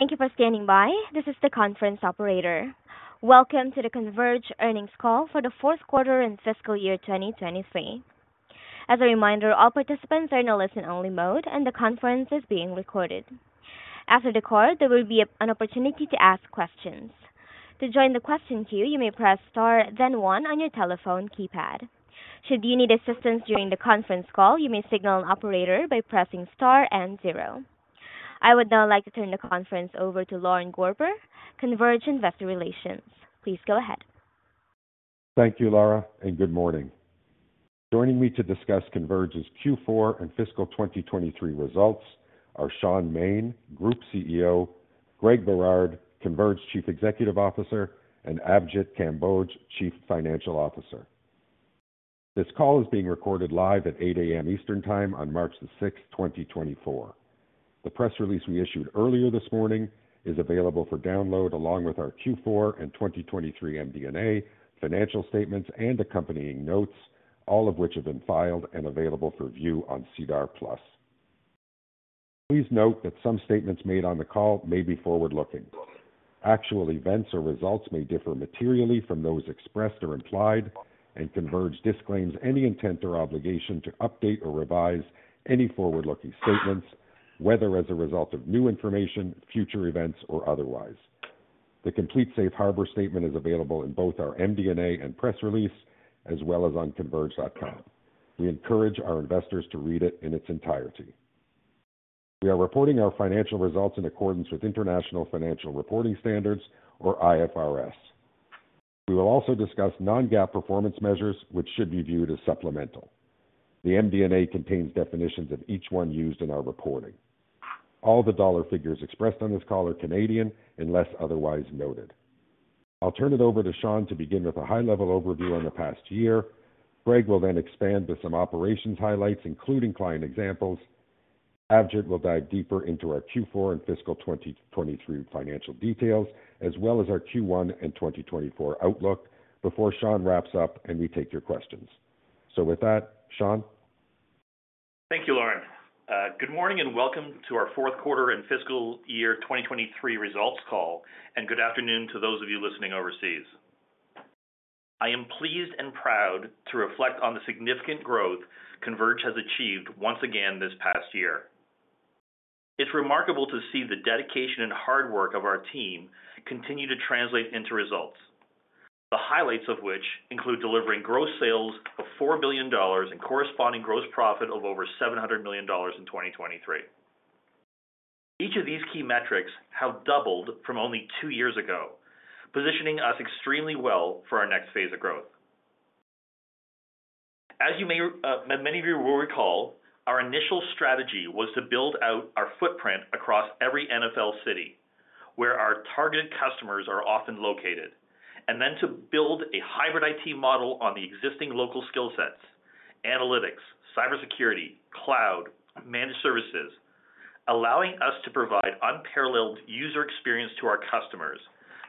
Thank you for standing by. This is the conference operator. Welcome to the Converge Earnings Call for the fourth quarter and fiscal year 2023. As a reminder, all participants are in a listen-only mode, and the conference is being recorded. After the call, there will be an opportunity to ask questions. To join the question queue, you may press star then one on your telephone keypad. Should you need assistance during the conference call, you may signal an operator by pressing star and zero. I would now like to turn the conference over to Lorne Gorber, Converge Investor Relations. Please go ahead. Thank you, Laura, and good morning. Joining me to discuss Converge's Q4 and fiscal 2023 results are Shaun Maine, Group CEO; Greg Berard, Converge Chief Executive Officer; and Avjitpal Kamboj, Chief Financial Officer. This call is being recorded live at 8:00 A.M. Eastern Time on March the 6th, 2024. The press release we issued earlier this morning is available for download along with our Q4 and 2023 MD&A financial statements and accompanying notes, all of which have been filed and available for view on SEDAR+. Please note that some statements made on the call may be forward-looking. Actual events or results may differ materially from those expressed or implied, and Converge disclaims any intent or obligation to update or revise any forward-looking statements, whether as a result of new information, future events, or otherwise. The Complete Safe Harbor statement is available in both our MD&A and press release, as well as on converge.com. We encourage our investors to read it in its entirety. We are reporting our financial results in accordance with International Financial Reporting Standards, or IFRS. We will also discuss non-GAAP performance measures, which should be viewed as supplemental. The MD&A contains definitions of each one used in our reporting. All the dollar figures expressed on this call are Canadian unless otherwise noted. I'll turn it over to Shaun to begin with a high-level overview on the past year. Greg will then expand with some operations highlights, including client examples. Avjit will dive deeper into our Q4 and fiscal 2023 financial details, as well as our Q1 and 2024 outlook before Shaun wraps up and we take your questions. So with that, Shaun. Thank you, Lorne. Good morning and welcome to our fourth quarter and fiscal year 2023 results call, and good afternoon to those of you listening overseas. I am pleased and proud to reflect on the significant growth Converge has achieved once again this past year. It's remarkable to see the dedication and hard work of our team continue to translate into results, the highlights of which include delivering gross sales of 4 billion dollars and corresponding gross profit of over 700 million dollars in 2023. Each of these key metrics have doubled from only two years ago, positioning us extremely well for our next phase of growth. As many of you will recall, our initial strategy was to build out our footprint across every NFL city, where our targeted customers are often located, and then to build a hybrid IT model on the existing local skill sets: analytics, cybersecurity, cloud, managed services, allowing us to provide unparalleled user experience to our customers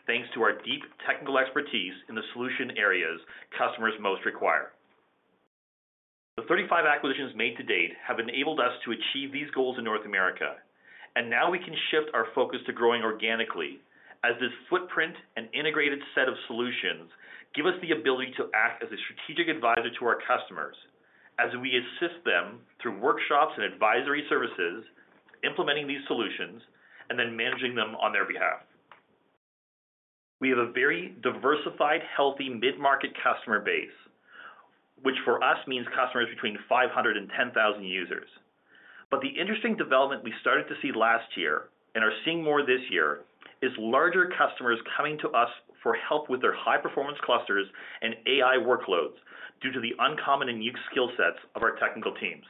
thanks to our deep technical expertise in the solution areas customers most require. The 35 acquisitions made to date have enabled us to achieve these goals in North America, and now we can shift our focus to growing organically, as this footprint and integrated set of solutions give us the ability to act as a strategic advisor to our customers, as we assist them through workshops and advisory services implementing these solutions and then managing them on their behalf. We have a very diversified, healthy mid-market customer base, which for us means customers between 500 and 10,000 users. But the interesting development we started to see last year and are seeing more this year is larger customers coming to us for help with their high-performance clusters and AI workloads due to the uncommon and unique skill sets of our technical teams.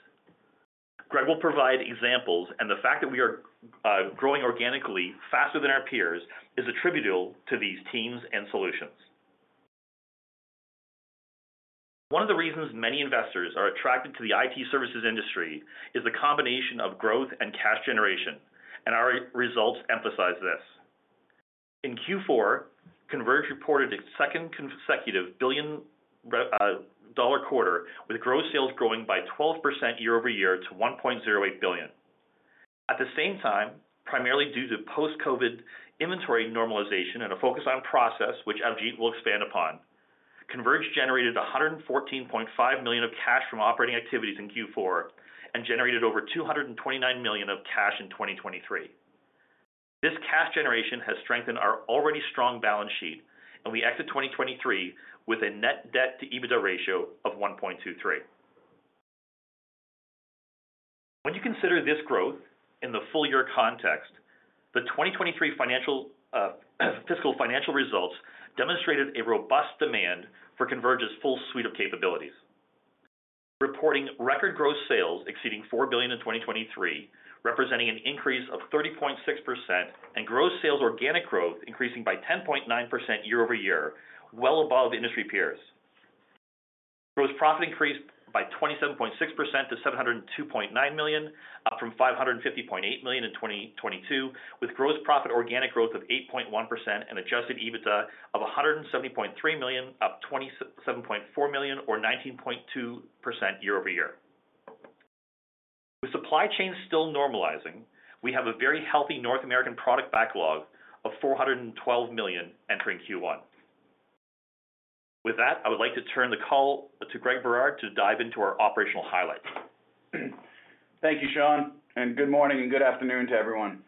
Greg will provide examples, and the fact that we are growing organically faster than our peers is attributable to these teams and solutions. One of the reasons many investors are attracted to the IT services industry is the combination of growth and cash generation, and our results emphasize this. In Q4, Converge reported its second consecutive billion-dollar quarter, with gross sales growing by 12% year-over-year to 1.08 billion. At the same time, primarily due to post-COVID inventory normalization and a focus on process, which Avjit will expand upon, Converge generated 114.5 million of cash from operating activities in Q4 and generated over 229 million of cash in 2023. This cash generation has strengthened our already strong balance sheet, and we exit 2023 with a net debt-to-EBITDA ratio of 1.23. When you consider this growth in the full-year context, the 2023 fiscal financial results demonstrated a robust demand for Converge's full suite of capabilities, reporting record gross sales exceeding 4 billion in 2023, representing an increase of 30.6%, and gross sales organic growth increasing by 10.9% year-over-year, well above industry peers. Gross profit increased by 27.6% to 702.9 million, up from 550.8 million in 2022, with gross profit organic growth of 8.1% and Adjusted EBITDA of 170.3 million, up 27.4 million or 19.2% year-over-year. With supply chains still normalizing, we have a very healthy North American product backlog of 412 million entering Q1. With that, I would like to turn the call to Greg Berard to dive into our operational highlights. Thank you, Shaun, and good morning and good afternoon to everyone.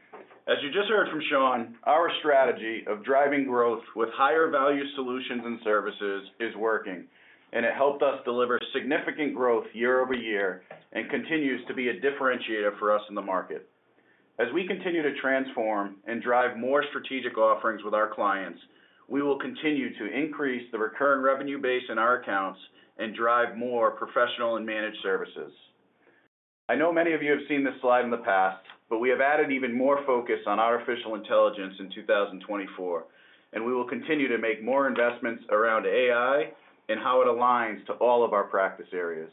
As you just heard from Shaun, our strategy of driving growth with higher-value solutions and services is working, and it helped us deliver significant growth year-over-year and continues to be a differentiator for us in the market. As we continue to transform and drive more strategic offerings with our clients, we will continue to increase the recurring revenue base in our accounts and drive more professional and managed services. I know many of you have seen this slide in the past, but we have added even more focus on artificial intelligence in 2024, and we will continue to make more investments around AI and how it aligns to all of our practice areas.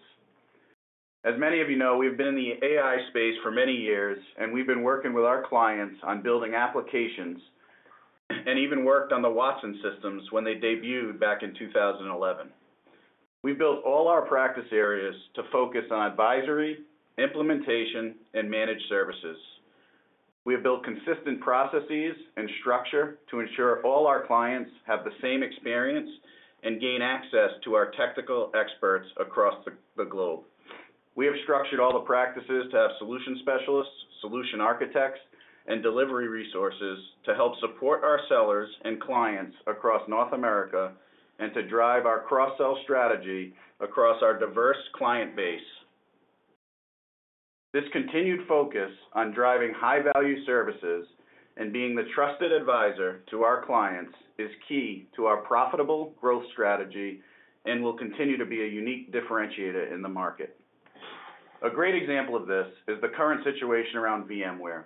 As many of you know, we've been in the AI space for many years, and we've been working with our clients on building applications and even worked on the Watson systems when they debuted back in 2011. We've built all our practice areas to focus on advisory, implementation, and managed services. We have built consistent processes and structure to ensure all our clients have the same experience and gain access to our technical experts across the globe. We have structured all the practices to have solution specialists, solution architects, and delivery resources to help support our sellers and clients across North America and to drive our cross-sell strategy across our diverse client base. This continued focus on driving high-value services and being the trusted advisor to our clients is key to our profitable growth strategy and will continue to be a unique differentiator in the market. A great example of this is the current situation around VMware.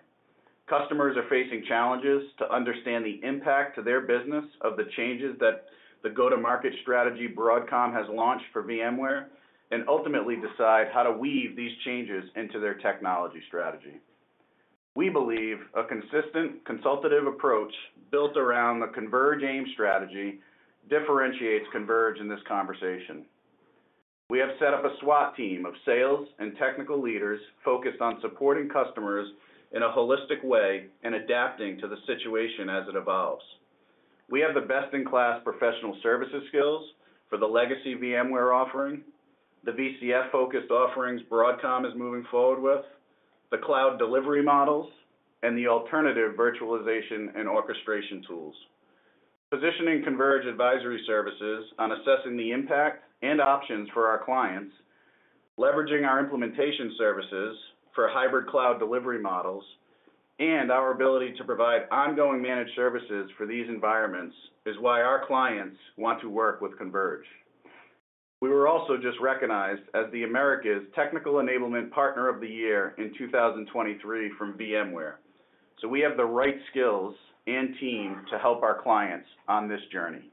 Customers are facing challenges to understand the impact to their business of the changes that the go-to-market strategy Broadcom has launched for VMware and ultimately decide how to weave these changes into their technology strategy. We believe a consistent consultative approach built around the Converge AIM strategy differentiates Converge in this conversation. We have set up a SWAT team of sales and technical leaders focused on supporting customers in a holistic way and adapting to the situation as it evolves. We have the best-in-class professional services skills for the legacy VMware offering, the VCF-focused offerings Broadcom is moving forward with, the cloud delivery models, and the alternative virtualization and orchestration tools. Positioning Converge advisory services on assessing the impact and options for our clients, leveraging our implementation services for hybrid cloud delivery models, and our ability to provide ongoing managed services for these environments is why our clients want to work with Converge. We were also just recognized as the Americas Technical Enablement Partner of the Year in 2023 from VMware, so we have the right skills and team to help our clients on this journey.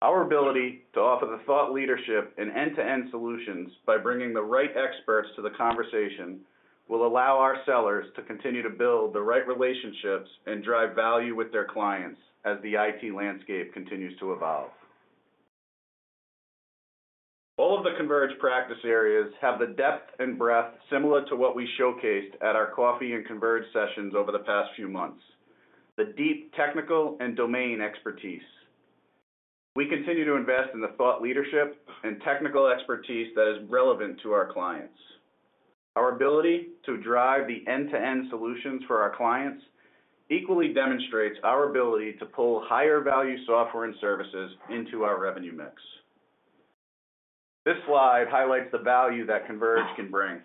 Our ability to offer the thought leadership in end-to-end solutions by bringing the right experts to the conversation will allow our sellers to continue to build the right relationships and drive value with their clients as the IT landscape continues to evolve. All of the Converge practice areas have the depth and breadth similar to what we showcased at our Coffee and Converge sessions over the past few months: the deep technical and domain expertise. We continue to invest in the thought leadership and technical expertise that is relevant to our clients. Our ability to drive the end-to-end solutions for our clients equally demonstrates our ability to pull higher-value software and services into our revenue mix. This slide highlights the value that Converge can bring.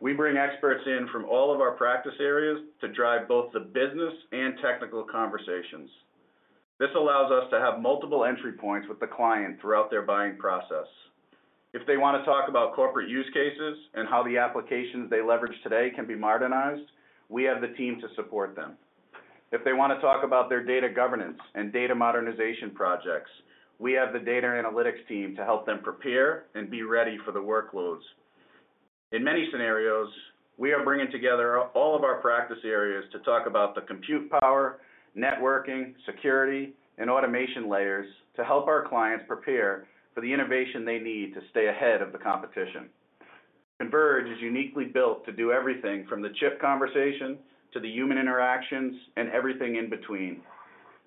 We bring experts in from all of our practice areas to drive both the business and technical conversations. This allows us to have multiple entry points with the client throughout their buying process. If they want to talk about corporate use cases and how the applications they leverage today can be modernized, we have the team to support them. If they want to talk about their data governance and data modernization projects, we have the data analytics team to help them prepare and be ready for the workloads. In many scenarios, we are bringing together all of our practice areas to talk about the compute power, networking, security, and automation layers to help our clients prepare for the innovation they need to stay ahead of the competition. Converge is uniquely built to do everything from the chip conversation to the human interactions and everything in between.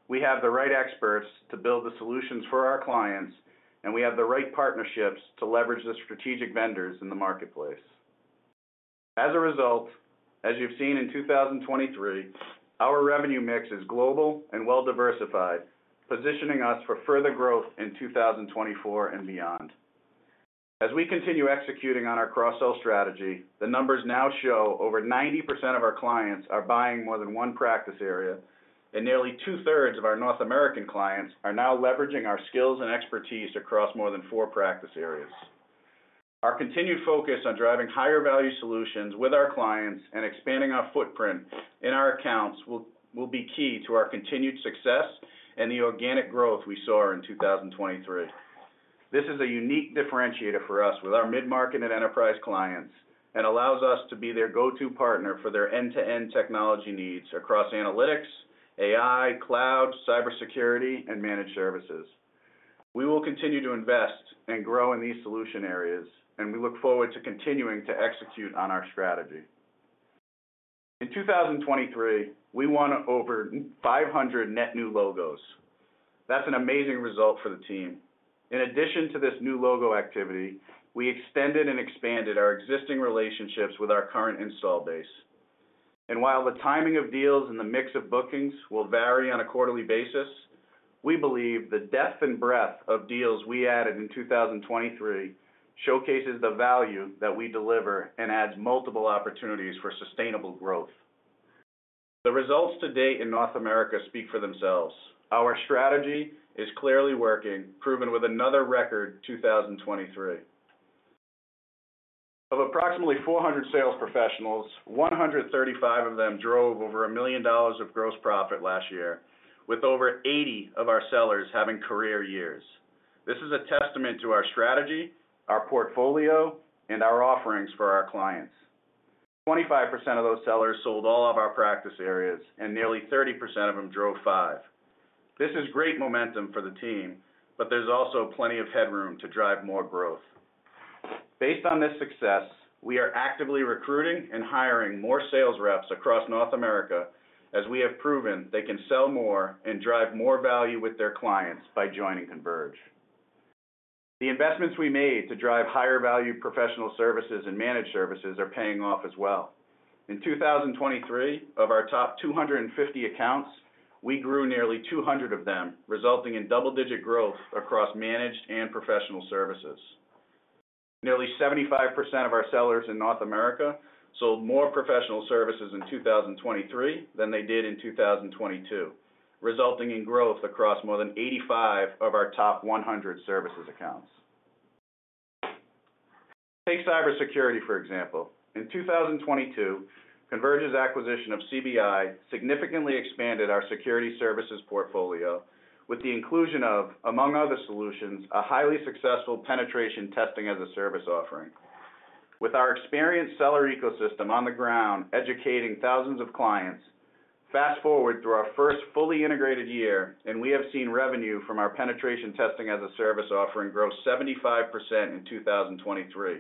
We have the right experts to build the solutions for our clients, and we have the right partnerships to leverage the strategic vendors in the marketplace. As a result, as you've seen in 2023, our revenue mix is global and well-diversified, positioning us for further growth in 2024 and beyond. As we continue executing on our cross-sell strategy, the numbers now show over 90% of our clients are buying more than one practice area, and nearly two-thirds of our North American clients are now leveraging our skills and expertise across more than four practice areas. Our continued focus on driving higher-value solutions with our clients and expanding our footprint in our accounts will be key to our continued success and the organic growth we saw in 2023. This is a unique differentiator for us with our mid-market and enterprise clients and allows us to be their go-to partner for their end-to-end technology needs across analytics, AI, cloud, cybersecurity, and managed services. We will continue to invest and grow in these solution areas, and we look forward to continuing to execute on our strategy. In 2023, we won over 500 net new logos. That's an amazing result for the team. In addition to this new logo activity, we extended and expanded our existing relationships with our current install base. While the timing of deals and the mix of bookings will vary on a quarterly basis, we believe the depth and breadth of deals we added in 2023 showcases the value that we deliver and adds multiple opportunities for sustainable growth. The results to date in North America speak for themselves. Our strategy is clearly working, proven with another record 2023. Of approximately 400 sales professionals, 135 of them drove over 1 million dollars of gross profit last year, with over 80 of our sellers having career years. This is a testament to our strategy, our portfolio, and our offerings for our clients. 25% of those sellers sold all of our practice areas, and nearly 30% of them drove five. This is great momentum for the team, but there's also plenty of headroom to drive more growth. Based on this success, we are actively recruiting and hiring more sales reps across North America as we have proven they can sell more and drive more value with their clients by joining Converge. The investments we made to drive higher-value professional services and managed services are paying off as well. In 2023, of our top 250 accounts, we grew nearly 200 of them, resulting in double-digit growth across managed and professional services. Nearly 75% of our sellers in North America sold more professional services in 2023 than they did in 2022, resulting in growth across more than 85 of our top 100 services accounts. Take cybersecurity, for example. In 2022, Converge's acquisition of CBI significantly expanded our security services portfolio with the inclusion of, among other solutions, a highly successful penetration testing as a service offering. With our experienced seller ecosystem on the ground educating thousands of clients, fast forward through our first fully integrated year, and we have seen revenue from our penetration testing as a service offering grow 75% in 2023,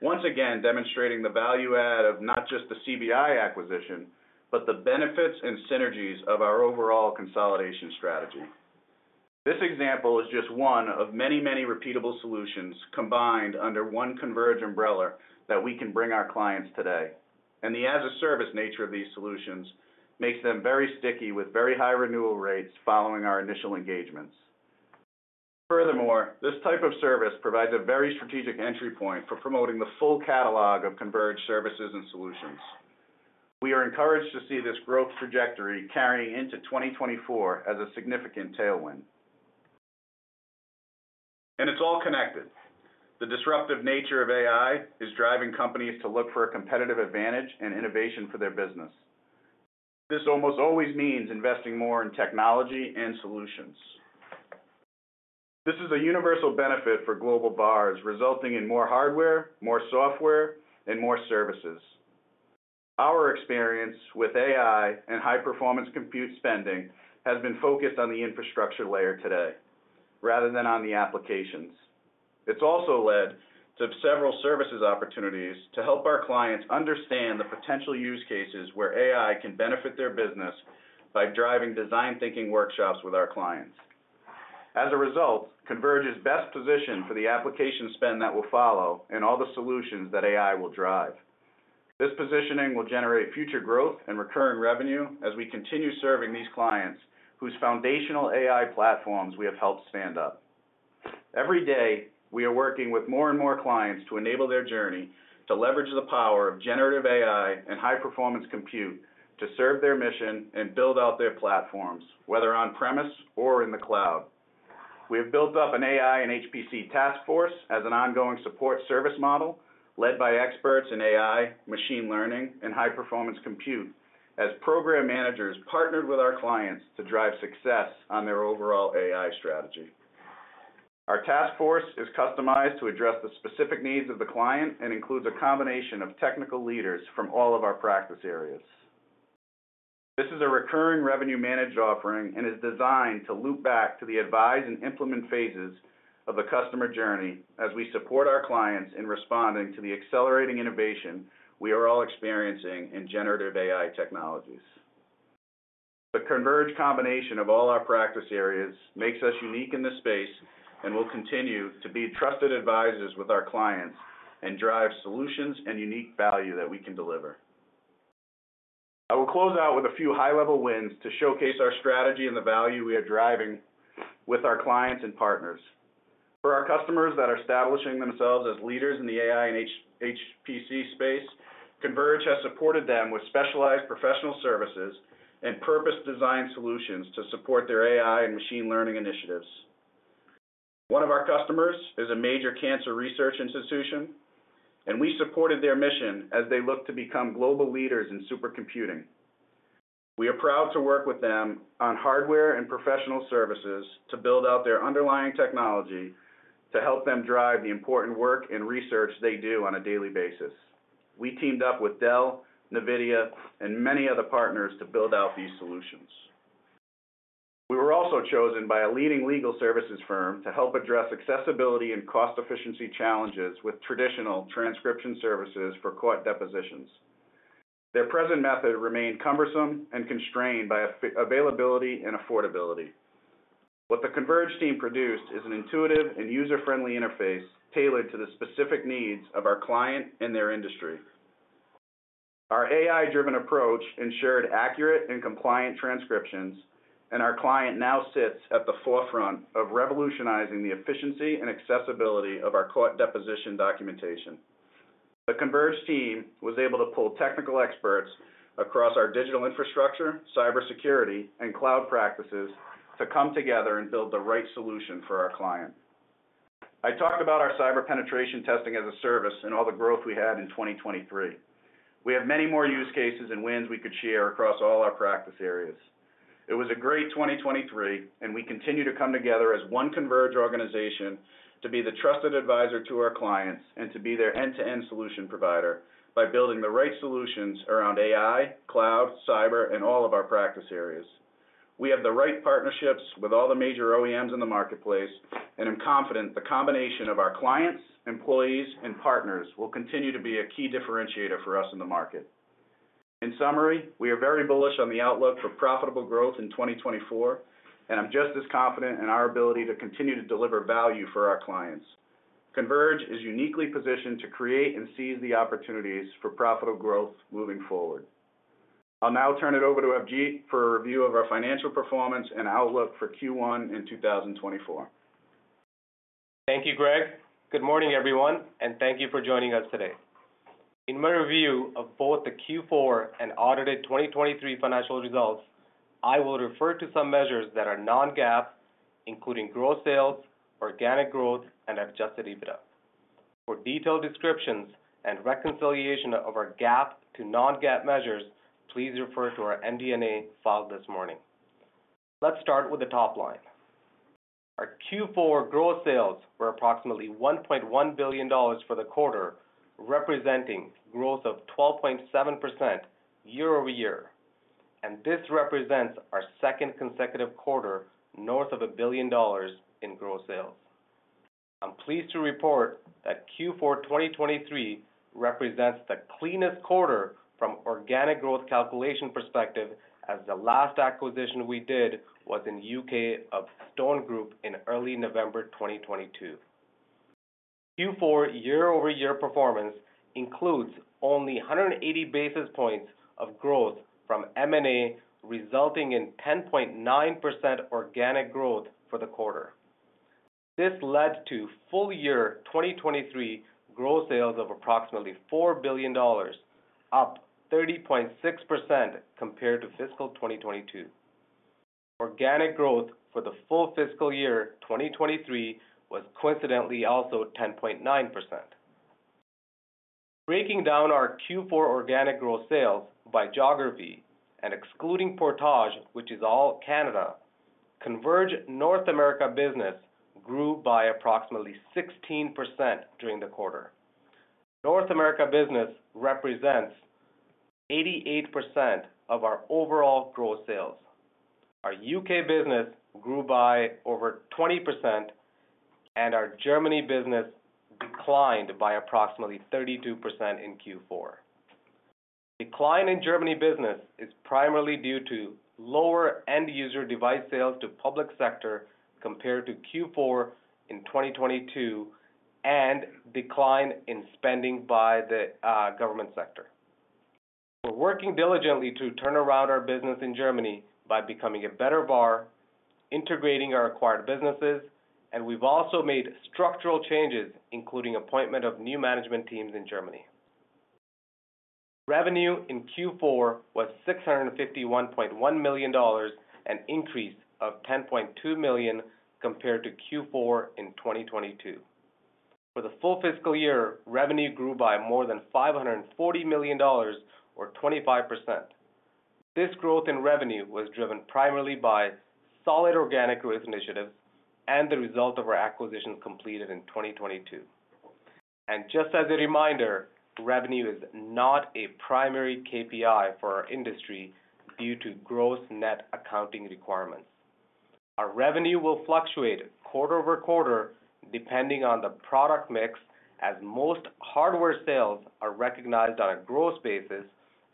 once again demonstrating the value add of not just the CBI acquisition but the benefits and synergies of our overall consolidation strategy. This example is just one of many, many repeatable solutions combined under one Converge umbrella that we can bring our clients today, and the as-a-service nature of these solutions makes them very sticky with very high renewal rates following our initial engagements. Furthermore, this type of service provides a very strategic entry point for promoting the full catalog of Converge services and solutions. We are encouraged to see this growth trajectory carrying into 2024 as a significant tailwind. It's all connected. The disruptive nature of AI is driving companies to look for a competitive advantage and innovation for their business. This almost always means investing more in technology and solutions. This is a universal benefit for global VARs, resulting in more hardware, more software, and more services. Our experience with AI and high-performance compute spending has been focused on the infrastructure layer today rather than on the applications. It's also led to several services opportunities to help our clients understand the potential use cases where AI can benefit their business by driving design thinking workshops with our clients. As a result, Converge is best positioned for the application spend that will follow and all the solutions that AI will drive. This positioning will generate future growth and recurring revenue as we continue serving these clients whose foundational AI platforms we have helped stand up. Every day, we are working with more and more clients to enable their journey to leverage the power of generative AI and high-performance compute to serve their mission and build out their platforms, whether on-premise or in the cloud. We have built up an AI and HPC task force as an ongoing support service model led by experts in AI, machine learning, and high-performance compute as program managers partnered with our clients to drive success on their overall AI strategy. Our task force is customized to address the specific needs of the client and includes a combination of technical leaders from all of our practice areas. This is a recurring revenue-managed offering and is designed to loop back to the advise and implement phases of the customer journey as we support our clients in responding to the accelerating innovation we are all experiencing in Generative AI technologies. The Converge combination of all our practice areas makes us unique in this space and will continue to be trusted advisors with our clients and drive solutions and unique value that we can deliver. I will close out with a few high-level wins to showcase our strategy and the value we are driving with our clients and partners. For our customers that are establishing themselves as leaders in the AI and HPC space, Converge has supported them with specialized professional services and purpose-designed solutions to support their AI and machine learning initiatives. One of our customers is a major cancer research institution, and we supported their mission as they looked to become global leaders in supercomputing. We are proud to work with them on hardware and professional services to build out their underlying technology to help them drive the important work and research they do on a daily basis. We teamed up with Dell, NVIDIA, and many other partners to build out these solutions. We were also chosen by a leading legal services firm to help address accessibility and cost-efficiency challenges with traditional transcription services for court depositions. Their present method remained cumbersome and constrained by availability and affordability. What the Converge team produced is an intuitive and user-friendly interface tailored to the specific needs of our client and their industry. Our AI-driven approach ensured accurate and compliant transcriptions, and our client now sits at the forefront of revolutionizing the efficiency and accessibility of our court deposition documentation. The Converge team was able to pull technical experts across our digital infrastructure, cybersecurity, and cloud practices to come together and build the right solution for our client. I talked about our cyber penetration testing as a service and all the growth we had in 2023. We have many more use cases and wins we could share across all our practice areas. It was a great 2023, and we continue to come together as one Converge organization to be the trusted advisor to our clients and to be their end-to-end solution provider by building the right solutions around AI, cloud, cyber, and all of our practice areas. We have the right partnerships with all the major OEMs in the marketplace, and I am confident the combination of our clients, employees, and partners will continue to be a key differentiator for us in the market. In summary, we are very bullish on the outlook for profitable growth in 2024, and I'm just as confident in our ability to continue to deliver value for our clients. Converge is uniquely positioned to create and seize the opportunities for profitable growth moving forward. I'll now turn it over to Avjitpal Kamboj for a review of our financial performance and outlook for Q1 in 2024. Thank you, Greg. Good morning, everyone, and thank you for joining us today. In my review of both the Q4 and audited 2023 financial results, I will refer to some measures that are non-GAAP, including gross sales, organic growth, and Adjusted EBITDA. For detailed descriptions and reconciliation of our GAAP to non-GAAP measures, please refer to our MD&A filed this morning. Let's start with the top line. Our Q4 gross sales were approximately 1.1 billion dollars for the quarter, representing growth of 12.7% year-over-year, and this represents our second consecutive quarter north of 1 billion dollars in gross sales. I'm pleased to report that Q4 2023 represents the cleanest quarter from organic growth calculation perspective, as the last acquisition we did was in UK of Stone Group in early November 2022. Q4 year-over-year performance includes only 180 basis points of growth from M&A, resulting in 10.9% organic growth for the quarter. This led to full-year 2023 gross sales of approximately 4 billion dollars, up 30.6% compared to fiscal 2022. Organic growth for the full fiscal year 2023 was coincidentally also 10.9%. Breaking down our Q4 organic gross sales by geography and excluding Portage, which is all Canada, Converge North America business grew by approximately 16% during the quarter. North America business represents 88% of our overall gross sales. Our U.K. business grew by over 20%, and our Germany business declined by approximately 32% in Q4. Decline in Germany business is primarily due to lower end-user device sales to public sector compared to Q4 in 2022 and decline in spending by the government sector. We're working diligently to turn around our business in Germany by becoming a better partner, integrating our acquired businesses, and we've also made structural changes, including appointment of new management teams in Germany. Revenue in Q4 was 651.1 million dollars, an increase of 10.2 million compared to Q4 in 2022. For the full fiscal year, revenue grew by more than 540 million dollars, or 25%. This growth in revenue was driven primarily by solid organic growth initiatives and the result of our acquisitions completed in 2022. Just as a reminder, revenue is not a primary KPI for our industry due to Gross Net Accounting requirements. Our revenue will fluctuate quarter-over-quarter depending on the product mix, as most hardware sales are recognized on a gross basis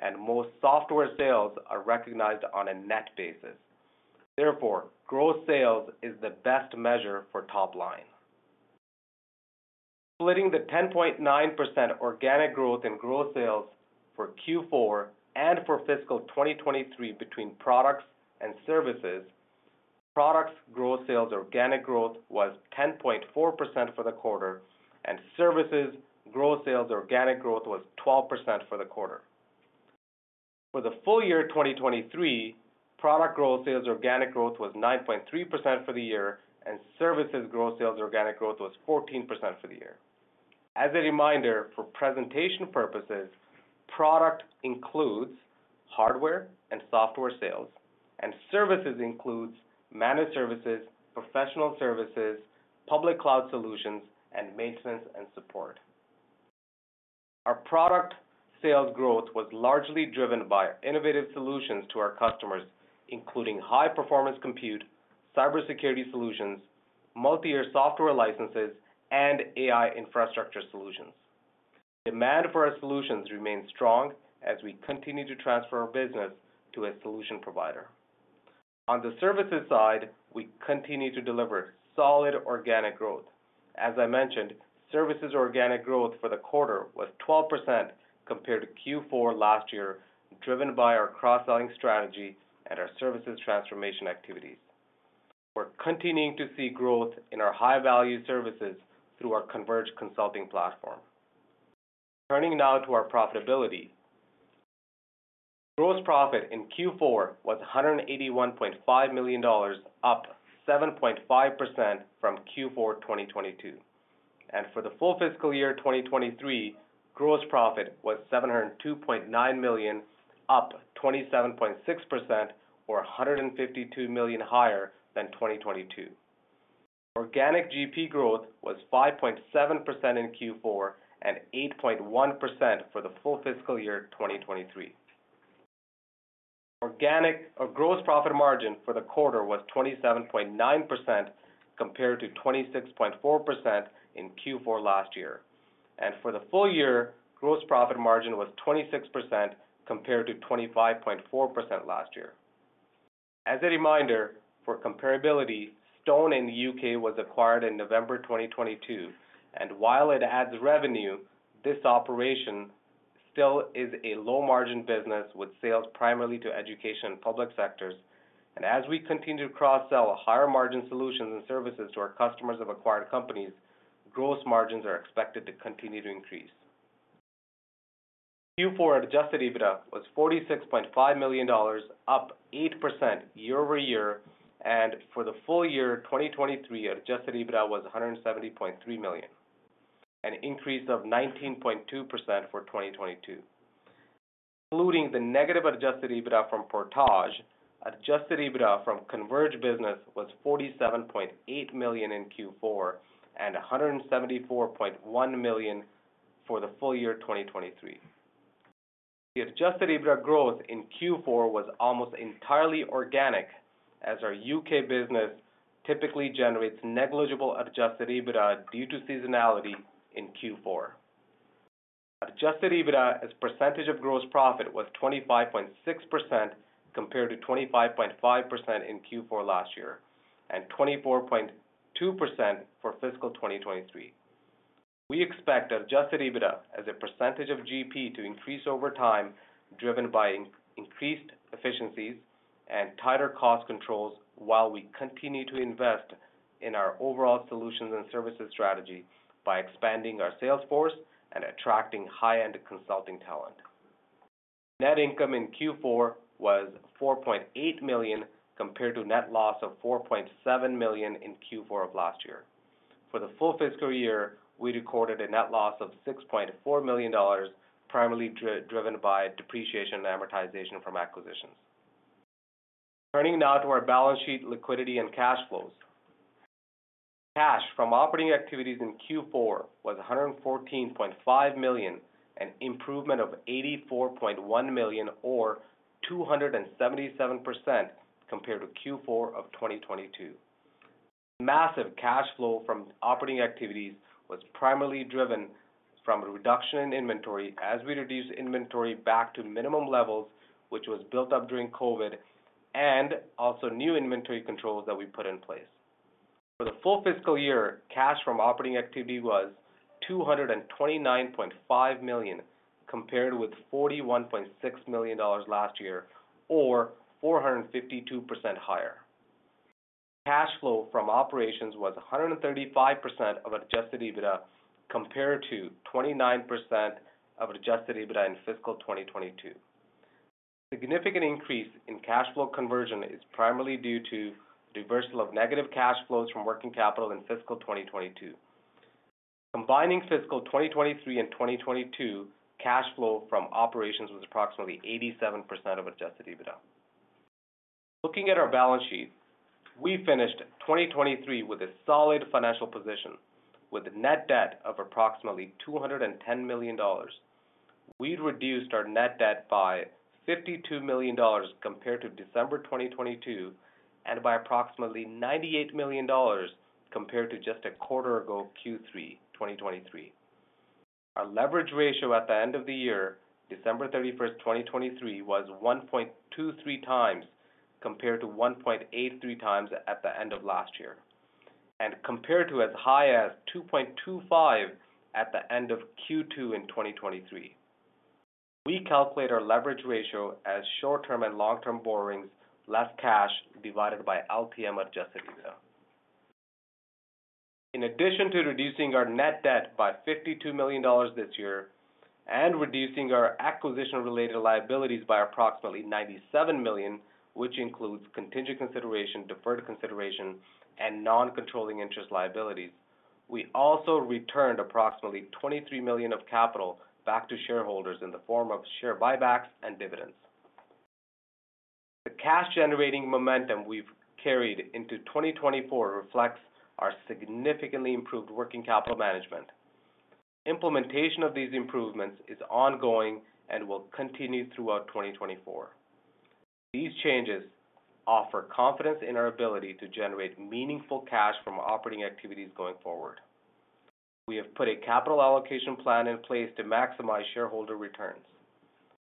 and most software sales are recognized on a net basis. Therefore, gross sales is the best measure for top line. Splitting the 10.9% organic growth in gross sales for Q4 and for fiscal 2023 between products and services, products gross sales organic growth was 10.4% for the quarter, and services gross sales organic growth was 12% for the quarter. For the full year 2023, product gross sales organic growth was 9.3% for the year, and services gross sales organic growth was 14% for the year. As a reminder for presentation purposes, product includes hardware and software sales, and services includes managed services, professional services, public cloud solutions, and maintenance and support. Our product sales growth was largely driven by innovative solutions to our customers, including high-performance compute, cybersecurity solutions, multi-year software licenses, and AI infrastructure solutions. Demand for our solutions remains strong as we continue to transfer our business to a solution provider. On the services side, we continue to deliver solid organic growth. As I mentioned, services organic growth for the quarter was 12% compared to Q4 last year, driven by our cross-selling strategy and our services transformation activities. We're continuing to see growth in our high-value services through our Converge consulting platform. Turning now to our profitability, gross profit in Q4 was 181.5 million dollars, up 7.5% from Q4 2022. And for the full fiscal year 2023, gross profit was 702.9 million, up 27.6%, or 152 million higher than 2022. Organic GP growth was 5.7% in Q4 and 8.1% for the full fiscal year 2023. Organic or gross profit margin for the quarter was 27.9% compared to 26.4% in Q4 last year. And for the full year, gross profit margin was 26% compared to 25.4% last year. As a reminder, for comparability, Stone in the UK was acquired in November 2022, and while it adds revenue, this operation still is a low-margin business with sales primarily to education and public sectors. As we continue to cross-sell higher-margin solutions and services to our customers of acquired companies, gross margins are expected to continue to increase. Q4 Adjusted EBITDA was 46.5 million dollars, up 8% year-over-year, and for the full year 2023, Adjusted EBITDA was 170.3 million, an increase of 19.2% for 2022. Including the negative Adjusted EBITDA from Portage, Adjusted EBITDA from Converge business was 47.8 million in Q4 and 174.1 million for the full year 2023. The Adjusted EBITDA growth in Q4 was almost entirely organic, as our UK business typically generates negligible Adjusted EBITDA due to seasonality in Q4. Adjusted EBITDA as percentage of gross profit was 25.6% compared to 25.5% in Q4 last year and 24.2% for fiscal 2023. We expect Adjusted EBITDA as a percentage of GP to increase over time, driven by increased efficiencies and tighter cost controls while we continue to invest in our overall solutions and services strategy by expanding our sales force and attracting high-end consulting talent. Net income in Q4 was 4.8 million compared to net loss of 4.7 million in Q4 of last year. For the full fiscal year, we recorded a net loss of 6.4 million dollars, primarily driven by depreciation and amortization from acquisitions. Turning now to our balance sheet liquidity and cash flows, cash from operating activities in Q4 was 114.5 million, an improvement of 84.1 million, or 277% compared to Q4 of 2022. Massive cash flow from operating activities was primarily driven from reduction in inventory as we reduced inventory back to minimum levels, which was built up during COVID, and also new inventory controls that we put in place. For the full fiscal year, cash from operating activity was 229.5 million compared with 41.6 million dollars last year, or 452% higher. Cash flow from operations was 135% of Adjusted EBITDA compared to 29% of Adjusted EBITDA in fiscal 2022. Significant increase in cash flow conversion is primarily due to reversal of negative cash flows from working capital in fiscal 2022. Combining fiscal 2023 and 2022, cash flow from operations was approximately 87% of Adjusted EBITDA. Looking at our balance sheet, we finished 2023 with a solid financial position. With net debt of approximately 210 million dollars, we'd reduced our net debt by 52 million dollars compared to December 2022 and by approximately 98 million dollars compared to just a quarter ago, Q3 2023. Our leverage ratio at the end of the year, December 31, 2023, was 1.23x compared to 1.83x at the end of last year and compared to as high as 2.25 at the end of Q2 in 2023. We calculate our leverage ratio as short-term and long-term borrowings, less cash, divided by LTM Adjusted EBITDA. In addition to reducing our net debt by 52 million dollars this year and reducing our acquisition-related liabilities by approximately 97 million, which includes contingent consideration, deferred consideration, and non-controlling interest liabilities, we also returned approximately 23 million of capital back to shareholders in the form of share buybacks and dividends. The cash-generating momentum we've carried into 2024 reflects our significantly improved working capital management. Implementation of these improvements is ongoing and will continue throughout 2024. These changes offer confidence in our ability to generate meaningful cash from operating activities going forward. We have put a capital allocation plan in place to maximize shareholder returns.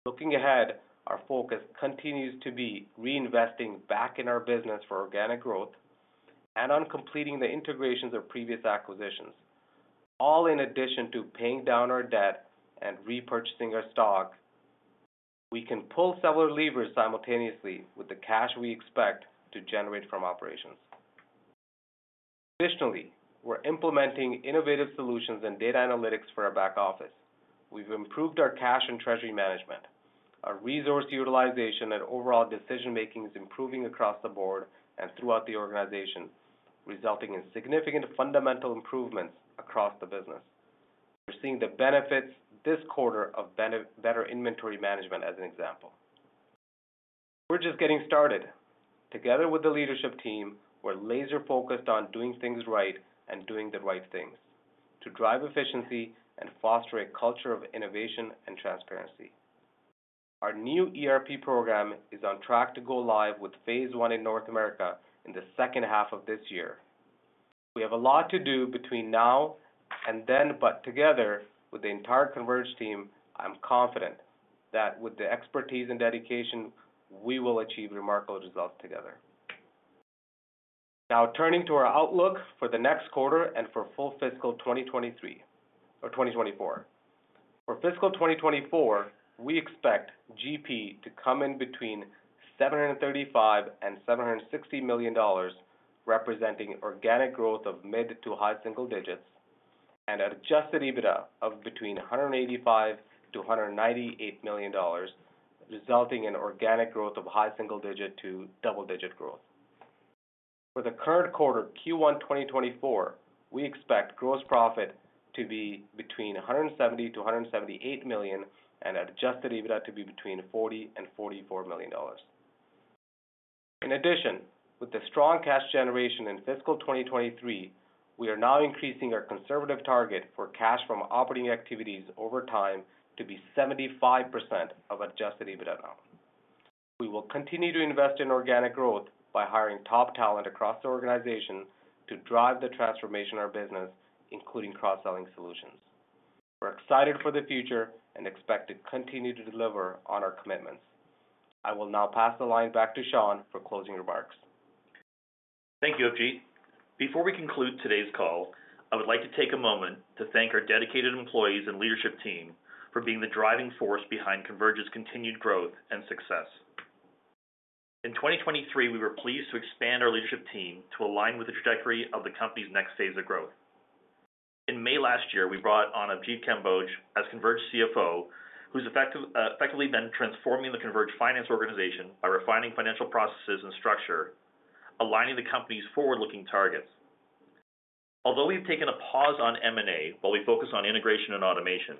Looking ahead, our focus continues to be reinvesting back in our business for organic growth and on completing the integrations of previous acquisitions. All in addition to paying down our debt and repurchasing our stock, we can pull several levers simultaneously with the cash we expect to generate from operations. Additionally, we're implementing innovative solutions and data analytics for our back office. We've improved our cash and treasury management. Our resource utilization and overall decision-making is improving across the board and throughout the organization, resulting in significant fundamental improvements across the business. We're seeing the benefits this quarter of better inventory management, as an example. We're just getting started. Together with the leadership team, we're laser-focused on doing things right and doing the right things to drive efficiency and foster a culture of innovation and transparency. Our new ERP program is on track to go live with phase one in North America in the second half of this year. We have a lot to do between now and then, but together with the entire Converge team, I'm confident that with the expertise and dedication, we will achieve remarkable results together. Now, turning to our outlook for the next quarter and for full fiscal 2023 or 2024. For fiscal 2024, we expect GP to come in between 735 million and 760 million dollars, representing organic growth of mid to high single digits, and Adjusted EBITDA of between 185 million and 198 million dollars, resulting in organic growth of high single digit to double digit growth. For the current quarter, Q1 2024, we expect gross profit to be between 170 million and 178 million and Adjusted EBITDA to be between 40 million and 44 million dollars. In addition, with the strong cash generation in fiscal 2023, we are now increasing our conservative target for cash from operating activities over time to be 75% of Adjusted EBITDA amount. We will continue to invest in organic growth by hiring top talent across the organization to drive the transformation of our business, including cross-selling solutions. We're excited for the future and expect to continue to deliver on our commitments. I will now pass the line back to Shaun for closing remarks. Thank you, Avjit. Before we conclude today's call, I would like to take a moment to thank our dedicated employees and leadership team for being the driving force behind Converge's continued growth and success. In 2023, we were pleased to expand our leadership team to align with the trajectory of the company's next phase of growth. In May last year, we brought on Avjitpal Kamboj as Converge CFO, who's effectively been transforming the Converge finance organization by refining financial processes and structure, aligning the company's forward-looking targets. Although we've taken a pause on M&A while we focus on integration and automation,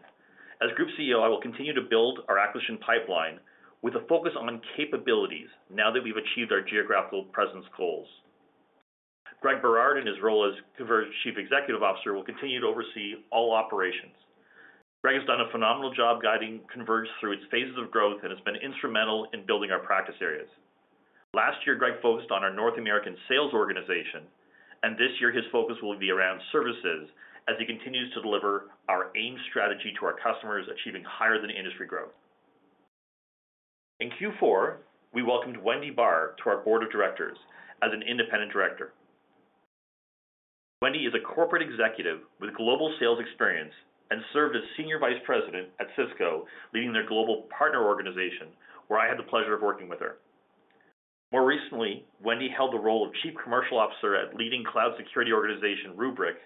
as group CEO, I will continue to build our acquisition pipeline with a focus on capabilities now that we've achieved our geographical presence goals. Greg Berard, in his role as Converge Chief Executive Officer, will continue to oversee all operations. Greg has done a phenomenal job guiding Converge through its phases of growth and has been instrumental in building our practice areas. Last year, Greg focused on our North American sales organization, and this year his focus will be around services as he continues to deliver our AIM strategy to our customers, achieving higher-than-industry growth. In Q4, we welcomed Wendy Bahr to our board of directors as an independent director. Wendy is a corporate executive with global sales experience and served as Senior Vice President at Cisco, leading their global partner organization, where I had the pleasure of working with her. More recently, Wendy held the role of Chief Commercial Officer at leading cloud security organization Rubrik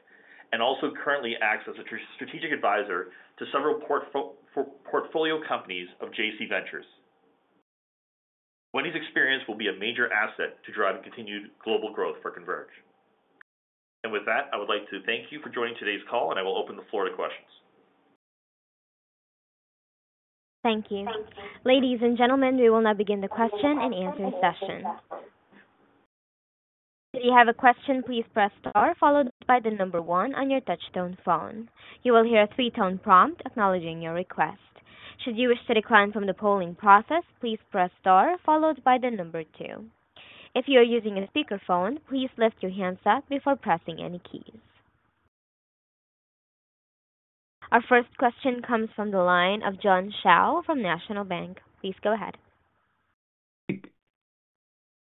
and also currently acts as a strategic advisor to several portfolio companies of JC2 Ventures. Wendy's experience will be a major asset to drive continued global growth for Converge. With that, I would like to thank you for joining today's call, and I will open the floor to questions. Thank you. Thank you. Ladies and gentlemen, we will now begin the question and answer session. If you have a question, please press star followed by the number one on your touch-tone phone. You will hear a three-tone prompt acknowledging your request. Should you wish to decline from the polling process, please press star followed by the number two. If you are using a speakerphone, please lift your handset up before pressing any keys. Our first question comes from the line of John Shao from National Bank Financial. Please go ahead.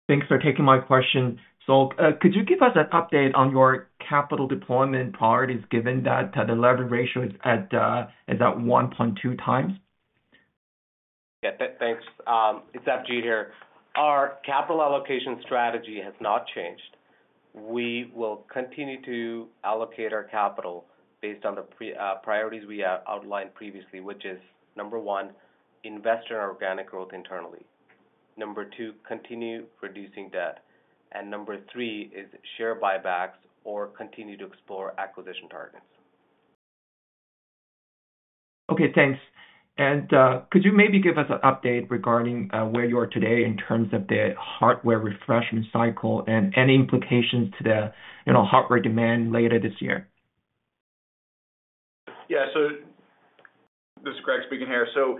Thanks for taking my question. So could you give us an update on your capital deployment priorities given that the leverage ratio is at 1.2x? Yeah, thanks. It's Avjit here. Our capital allocation strategy has not changed. We will continue to allocate our capital based on the priorities we outlined previously, which is, number one, invest in organic growth internally. Number two, continue reducing debt. And number three is share buybacks or continue to explore acquisition targets. Okay, thanks. Could you maybe give us an update regarding where you are today in terms of the hardware refresh cycle and any implications to the hardware demand later this year? Yeah, so this is Greg speaking here. So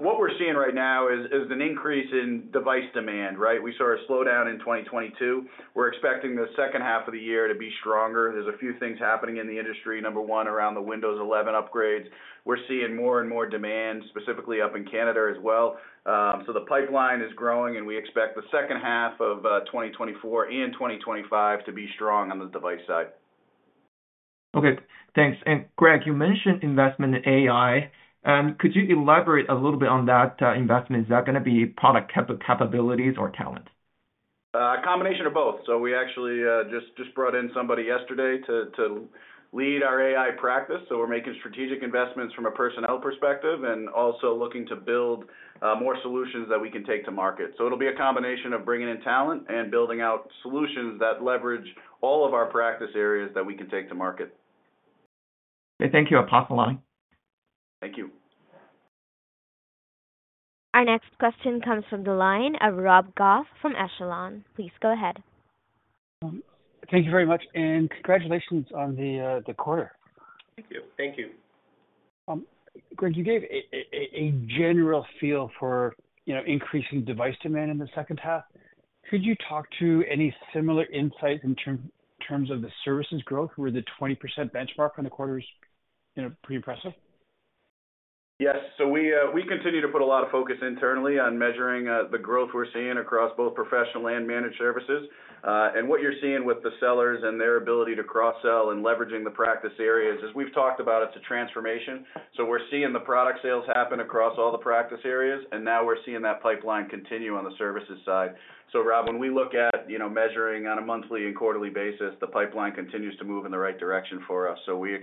what we're seeing right now is an increase in device demand, right? We saw a slowdown in 2022. We're expecting the second half of the year to be stronger. There's a few things happening in the industry, number one, around the Windows 11 upgrades. We're seeing more and more demand, specifically up in Canada as well. So the pipeline is growing, and we expect the second half of 2024 and 2025 to be strong on the device side. Okay, thanks. And Greg, you mentioned investment in AI. And could you elaborate a little bit on that investment? Is that going to be product capabilities or talent? A combination of both. So we actually just brought in somebody yesterday to lead our AI practice. So we're making strategic investments from a personnel perspective and also looking to build more solutions that we can take to market. So it'll be a combination of bringing in talent and building out solutions that leverage all of our practice areas that we can take to market. Okay, thank you. Operator. Thank you. Our next question comes from the line of Rob Gough from Echelon. Please go ahead. Thank you very much. And congratulations on the quarter. Thank you. Thank you. Greg, you gave a general feel for increasing device demand in the second half. Could you talk to any similar insights in terms of the services growth? Were the 20% benchmark on the quarters pretty impressive? Yes. So we continue to put a lot of focus internally on measuring the growth we're seeing across both professional and managed services. And what you're seeing with the sellers and their ability to cross-sell and leveraging the practice areas, as we've talked about, it's a transformation. So we're seeing the product sales happen across all the practice areas, and now we're seeing that pipeline continue on the services side. So Rob, when we look at measuring on a monthly and quarterly basis, the pipeline continues to move in the right direction for us. So we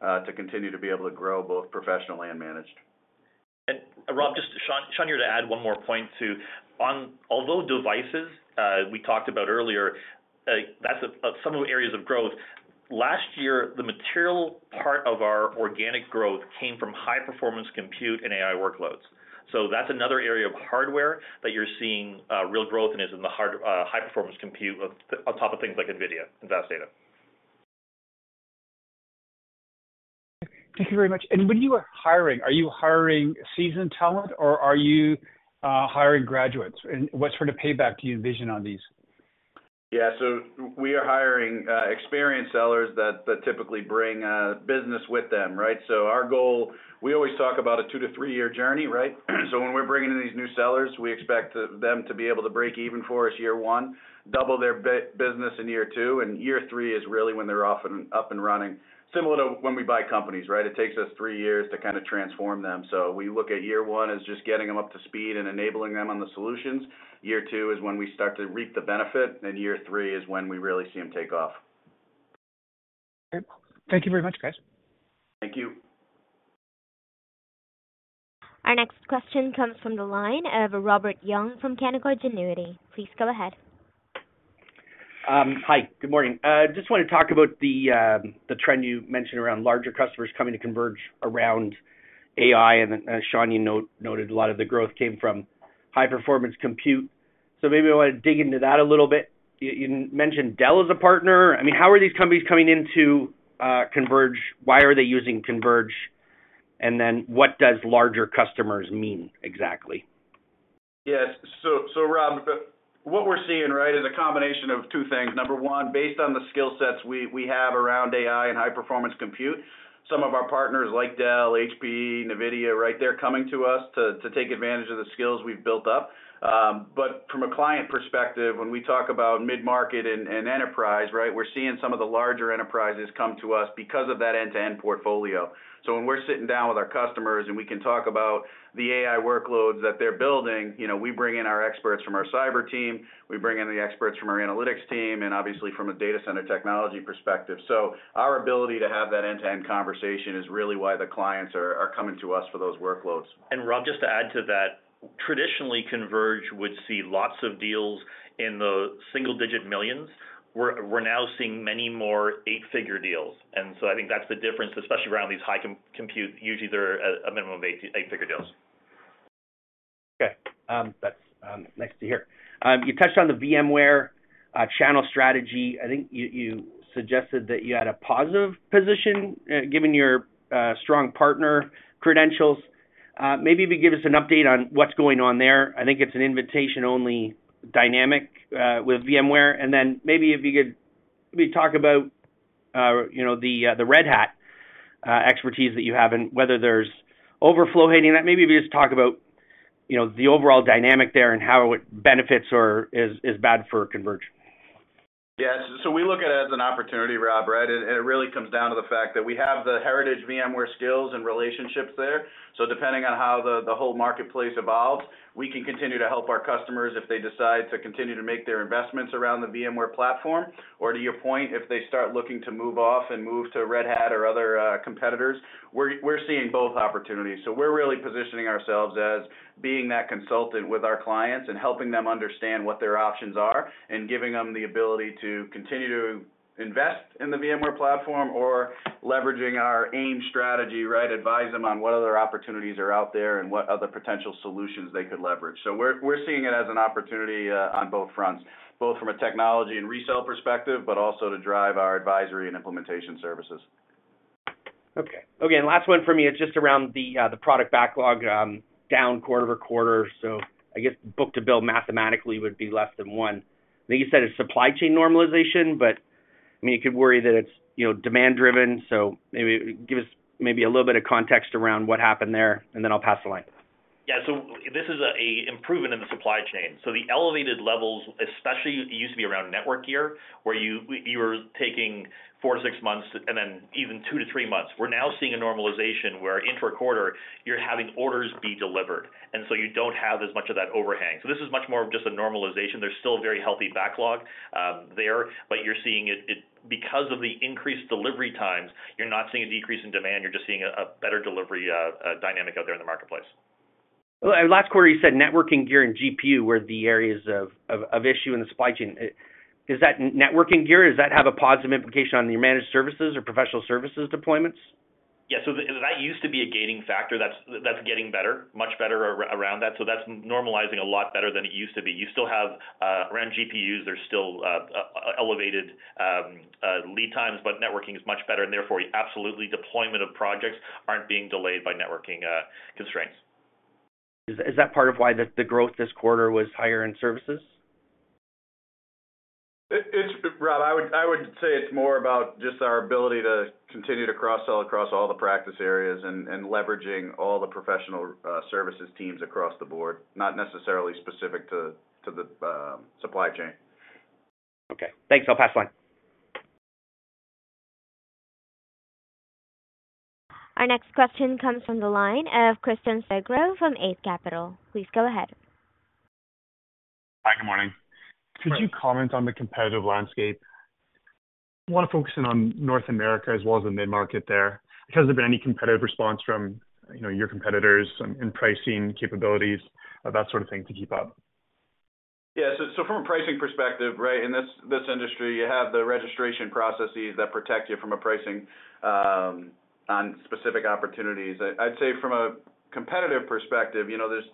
expect to continue to be able to grow both professional and managed. Rob, just Shaun here to add one more point too. Although devices we talked about earlier, that's some of the areas of growth. Last year, the material part of our organic growth came from high-performance compute and AI workloads. So that's another area of hardware that you're seeing real growth in is in the high-performance compute on top of things like NVIDIA and VAST Data. Thank you very much. When you are hiring, are you hiring seasoned talent, or are you hiring graduates? What sort of payback do you envision on these? Yeah, so we are hiring experienced sellers that typically bring business with them, right? So our goal, we always talk about a two to three-year journey, right? So when we're bringing in these new sellers, we expect them to be able to break even for us year one, double their business in year two. And year three is really when they're off and running, similar to when we buy companies, right? It takes us three years to kind of transform them. So we look at year one as just getting them up to speed and enabling them on the solutions. Year two is when we start to reap the benefit, and year three is when we really see them take off. Okay. Thank you very much, guys. Thank you. Our next question comes from the line of Robert Young from Canaccord Genuity. Please go ahead. Hi, good morning. I just want to talk about the trend you mentioned around larger customers coming to Converge around AI. And Shaun, you noted a lot of the growth came from high-performance compute. So maybe I want to dig into that a little bit. You mentioned Dell as a partner. I mean, how are these companies coming into Converge? Why are they using Converge? And then what does larger customers mean exactly? Yes. So Rob, what we're seeing, right, is a combination of two things. Number one, based on the skill sets we have around AI and high-performance compute, some of our partners like Dell, HP, NVIDIA, right, they're coming to us to take advantage of the skills we've built up. But from a client perspective, when we talk about mid-market and enterprise, right, we're seeing some of the larger enterprises come to us because of that end-to-end portfolio. So when we're sitting down with our customers and we can talk about the AI workloads that they're building, we bring in our experts from our cyber team. We bring in the experts from our analytics team and obviously from a data center technology perspective. So our ability to have that end-to-end conversation is really why the clients are coming to us for those workloads. Rob, just to add to that, traditionally, Converge would see lots of deals in the single-digit millions. We're now seeing many more eight-figure deals. So I think that's the difference, especially around these high-compute. Usually, they're a minimum of eight-figure deals. Okay, that's nice to hear. You touched on the VMware channel strategy. I think you suggested that you had a positive position given your strong partner credentials. Maybe if you give us an update on what's going on there? I think it's an invitation-only dynamic with VMware. And then maybe if you could talk about the Red Hat expertise that you have and whether there's overflow hitting that? Maybe if you just talk about the overall dynamic there and how it benefits or is bad for Converge? Yes. So we look at it as an opportunity, Rob, right? And it really comes down to the fact that we have the heritage VMware skills and relationships there. So depending on how the whole marketplace evolves, we can continue to help our customers if they decide to continue to make their investments around the VMware platform. Or to your point, if they start looking to move off and move to Red Hat or other competitors, we're seeing both opportunities. So we're really positioning ourselves as being that consultant with our clients and helping them understand what their options are and giving them the ability to continue to invest in the VMware platform or leveraging our AIM strategy, right, advise them on what other opportunities are out there and what other potential solutions they could leverage. So we're seeing it as an opportunity on both fronts, both from a technology and resale perspective, but also to drive our advisory and implementation services. Okay. Again, last one from me, just around the product backlog down quarter to quarter. So I guess book to bill mathematically would be less than one. I think you said it's supply chain normalization, but I mean, you could worry that it's demand-driven. So maybe give us a little bit of context around what happened there, and then I'll pass the line. Yeah. So this is an improvement in the supply chain. So the elevated levels, especially it used to be around network gear where you were taking four to six months and then even two to three months. We're now seeing a normalization where in a quarter, you're having orders be delivered. And so you don't have as much of that overhang. So this is much more of just a normalization. There's still a very healthy backlog there, but you're seeing it because of the increased delivery times, you're not seeing a decrease in demand. You're just seeing a better delivery dynamic out there in the marketplace. Last quarter, you said networking gear and GPU were the areas of issue in the supply chain. Does that networking gear, does that have a positive implication on your managed services or professional services deployments? Yeah. So that used to be a gating factor. That's getting better, much better around that. So that's normalizing a lot better than it used to be. You still have around GPUs, there's still elevated lead times, but networking is much better. And therefore, absolutely, deployment of projects aren't being delayed by networking constraints. Is that part of why the growth this quarter was higher in services? Rob, I would say it's more about just our ability to continue to cross-sell across all the practice areas and leveraging all the professional services teams across the board, not necessarily specific to the supply chain. Okay, thanks. I'll pass the line. Our next question comes from the line of Christian Sgro from Eight Capital. Please go ahead. Hi, good morning. Could you comment on the competitive landscape? Want to focus in on North America as well as the mid-market there because there's been any competitive response from your competitors in pricing capabilities, that sort of thing to keep up? Yeah. So from a pricing perspective, right, in this industry, you have the registration processes that protect you from a pricing on specific opportunities. I'd say from a competitive perspective,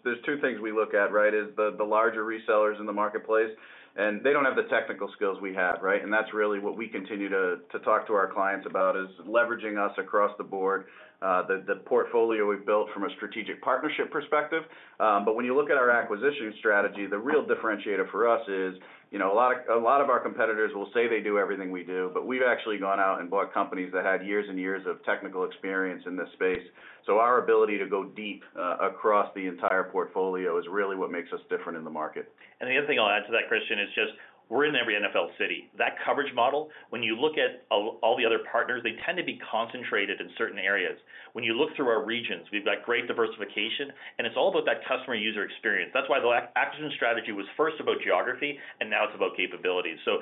there's two things we look at, right, is the larger resellers in the marketplace. And they don't have the technical skills we have, right? And that's really what we continue to talk to our clients about is leveraging us across the board, the portfolio we've built from a strategic partnership perspective. But when you look at our acquisition strategy, the real differentiator for us is a lot of our competitors will say they do everything we do, but we've actually gone out and bought companies that had years and years of technical experience in this space. So our ability to go deep across the entire portfolio is really what makes us different in the market. The other thing I'll add to that, Christian, is just we're in every NFL city. That coverage model, when you look at all the other partners, they tend to be concentrated in certain areas. When you look through our regions, we've got great diversification, and it's all about that customer user experience. That's why the acquisition strategy was first about geography, and now it's about capabilities. So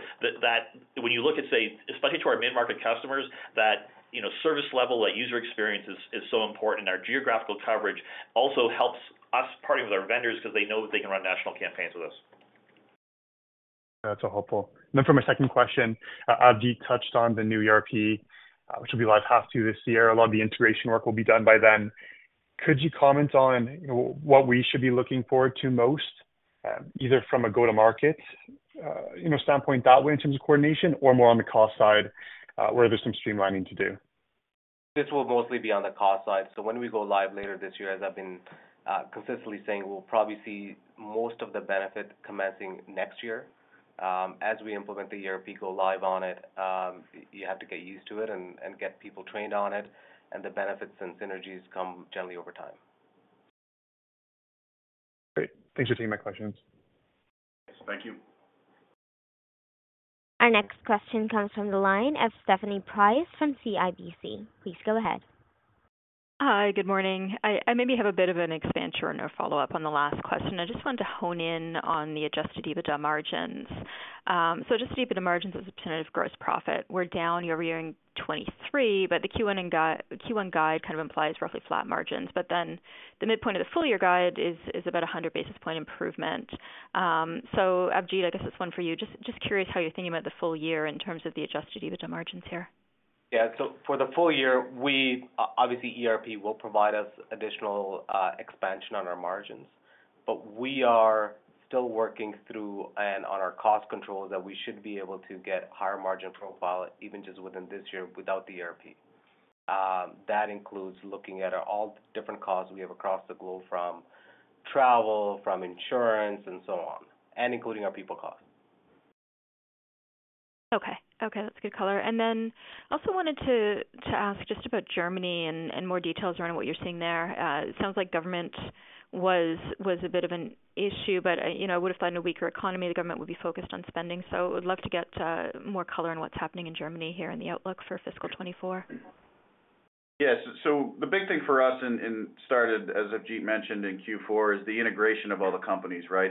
when you look at, say, especially to our mid-market customers, that service level, that user experience is so important. Our geographical coverage also helps us partner with our vendors because they know they can run national campaigns with us. That's all helpful. Then from a second question, Avjit touched on the new ERP, which will be live half two this year. A lot of the integration work will be done by then. Could you comment on what we should be looking forward to most, either from a go-to-market standpoint that way in terms of coordination or more on the cost side where there's some streamlining to do? This will mostly be on the cost side. When we go live later this year, as I've been consistently saying, we'll probably see most of the benefit commencing next year. As we implement the ERP, go live on it, you have to get used to it and get people trained on it. The benefits and synergies come generally over time. Great. Thanks for taking my questions. Yes, thank you. Our next question comes from the line of Stephanie Price from CIBC. Please go ahead. Hi, good morning. I maybe have a bit of an expansion or no follow-up on the last question. I just wanted to hone in on the Adjusted EBITDA margins. So Adjusted EBITDA margins as a percentage of gross profit. We're down year-over-year in 2023, but the Q1 guide kind of implies roughly flat margins. But then the midpoint of the full year guide is about 100 basis point improvement. So Avjit, I guess this one for you. Just curious how you're thinking about the full year in terms of the Adjusted EBITDA margins here. Yeah. So for the full year, obviously, ERP will provide us additional expansion on our margins. But we are still working through and on our cost controls that we should be able to get higher margin profile even just within this year without the ERP. That includes looking at all different costs we have across the globe from travel, from insurance, and so on, and including our people cost. Okay. Okay, that's good color. And then I also wanted to ask just about Germany and more details around what you're seeing there. It sounds like government was a bit of an issue, but it would have been a weaker economy. The government would be focused on spending. So I would love to get more color on what's happening in Germany here in the outlook for fiscal 2024. Yeah. So the big thing for us and started, as Avjit mentioned, in Q4 is the integration of all the companies, right?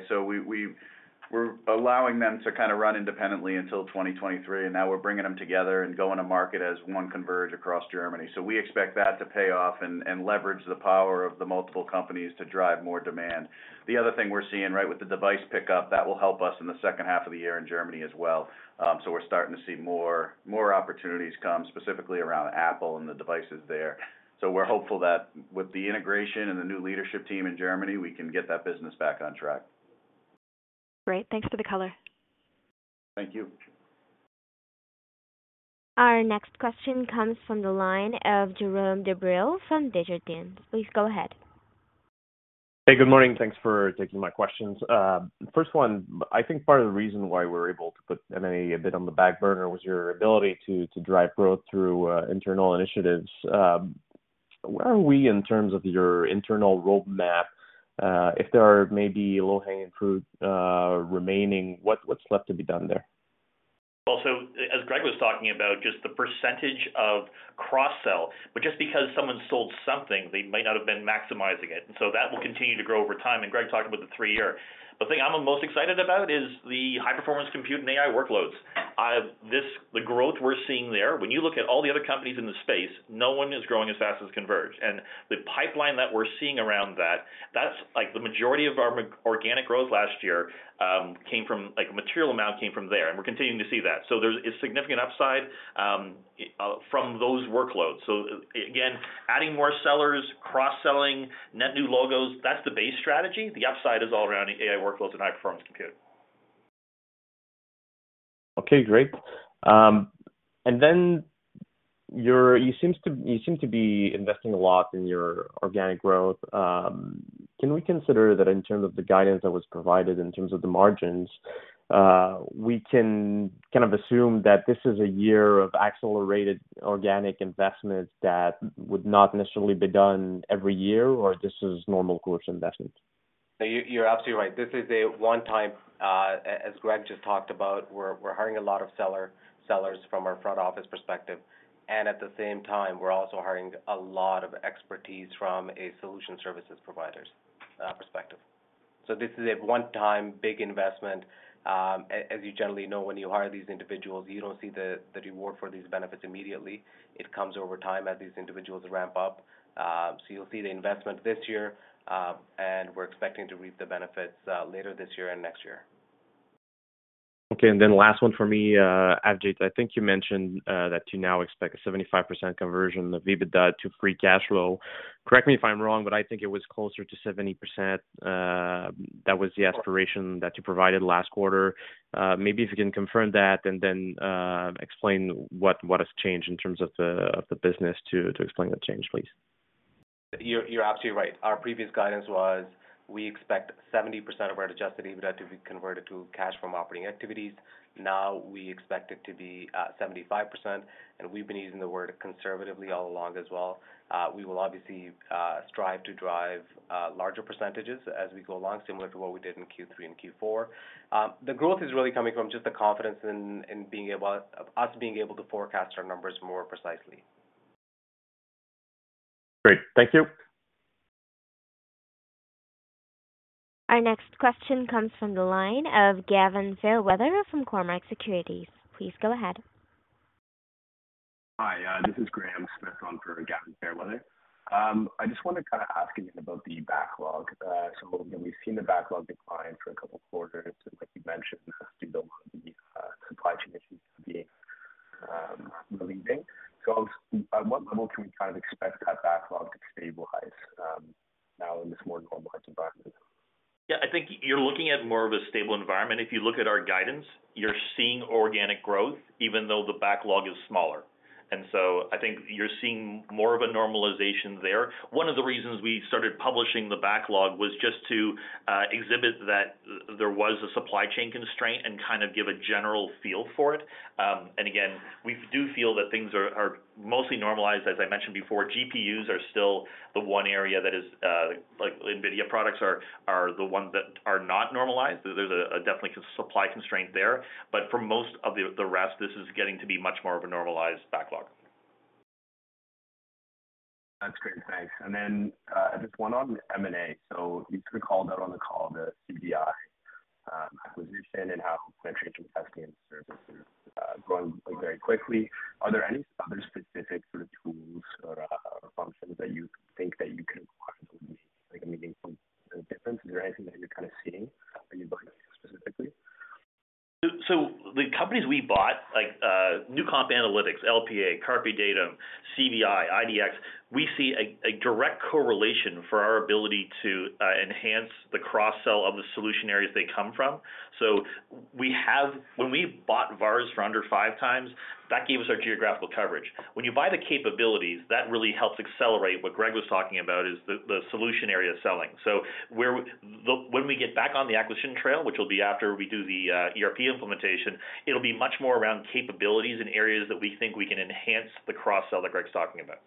So we're allowing them to kind of run independently until 2023. Now we're bringing them together and going to market as one Converge across Germany. So we expect that to pay off and leverage the power of the multiple companies to drive more demand. The other thing we're seeing, right, with the device pickup, that will help us in the second half of the year in Germany as well. So we're starting to see more opportunities come, specifically around Apple and the devices there. So we're hopeful that with the integration and the new leadership team in Germany, we can get that business back on track. Great. Thanks for the color. Thank you. Our next question comes from the line of Jérôme Dubreuil from Desjardins. Please go ahead. Hey, good morning. Thanks for taking my questions. First one, I think part of the reason why we were able to put M&A a bit on the back burner was your ability to drive growth through internal initiatives. Where are we in terms of your internal roadmap? If there are maybe low-hanging fruit remaining, what's left to be done there? Well, so as Greg was talking about, just the percentage of cross-sell. But just because someone sold something, they might not have been maximizing it. And so that will continue to grow over time. And Greg talked about the three-year. But the thing I'm most excited about is the high-performance compute and AI workloads. The growth we're seeing there, when you look at all the other companies in the space, no one is growing as fast as Converge. And the pipeline that we're seeing around that, the majority of our organic growth last year came from material amount came from there. And we're continuing to see that. So there is significant upside from those workloads. So again, adding more sellers, cross-selling, net new logos, that's the base strategy. The upside is all around AI workloads and high-performance compute. Okay, great. Then you seem to be investing a lot in your organic growth. Can we consider that in terms of the guidance that was provided in terms of the margins, we can kind of assume that this is a year of accelerated organic investments that would not necessarily be done every year, or this is normal growth investments? You're absolutely right. This is a one-time, as Greg just talked about, we're hiring a lot of sellers from our front office perspective. And at the same time, we're also hiring a lot of expertise from a solution services provider's perspective. So this is a one-time big investment. As you generally know, when you hire these individuals, you don't see the reward for these benefits immediately. It comes over time as these individuals ramp up. So you'll see the investment this year, and we're expecting to reap the benefits later this year and next year. Okay. And then last one for me, Avjit, I think you mentioned that you now expect a 75% conversion of EBITDA to free cash flow. Correct me if I'm wrong, but I think it was closer to 70%. That was the aspiration that you provided last quarter. Maybe if you can confirm that and then explain what has changed in terms of the business to explain that change, please. You're absolutely right. Our previous guidance was we expect 70% of our Adjusted EBITDA to be converted to cash from operating activities. Now we expect it to be 75%. We've been using the word conservatively all along as well. We will obviously strive to drive larger percentages as we go along, similar to what we did in Q3 and Q4. The growth is really coming from just the confidence in us being able to forecast our numbers more precisely. Great. Thank you. Our next question comes from the line of Gavin Fairweather from Cormark Securities. Please go ahead. Hi. This is Graham Smith on for Gavin Fairweather. I just want to kind of ask again about the backlog. So we've seen the backlog decline for a couple of quarters. And like you mentioned, due to a lot of the supply chain issues being relieved. So at what level can we kind of expect that backlog to stabilize now in this more normalized environment? Yeah. I think you're looking at more of a stable environment. If you look at our guidance, you're seeing organic growth even though the backlog is smaller. And so I think you're seeing more of a normalization there. One of the reasons we started publishing the backlog was just to exhibit that there was a supply chain constraint and kind of give a general feel for it. And again, we do feel that things are mostly normalized. As I mentioned before, GPUs are still the one area that is. NVIDIA products are the ones that are not normalized. There's definitely a supply constraint there. But for most of the rest, this is getting to be much more of a normalized backlog. That's great. Thanks. And then just one on M&A. So you sort of called out on the call the CBI acquisition and how penetration testing and services are growing very quickly. Are there any other specific sort of tools or functions that you think that you could acquire that would make a meaningful difference? Is there anything that you're kind of seeing that you'd like to see specifically? So the companies we bought, like Newcomp Analytics, LPA, CarpeDatum, CBI, IDX, we see a direct correlation for our ability to enhance the cross-sell of the solution areas they come from. So when we bought VARs for under 5x, that gave us our geographical coverage. When you buy the capabilities, that really helps accelerate what Greg was talking about is the solution area selling. So when we get back on the acquisition trail, which will be after we do the ERP implementation, it'll be much more around capabilities and areas that we think we can enhance the cross-sell that Greg's talking about.